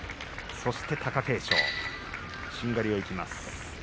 そして、貴景勝しんがりをいきます。